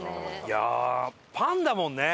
いやパンだもんね。